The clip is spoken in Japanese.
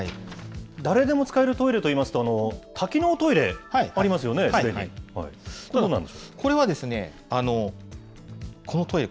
誰でも使えるトイレといいますと、多機能トイレありますよね、すでに。